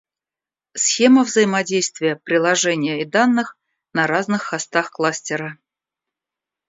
Схема взаимодействия приложения и данных на разных хостах кластера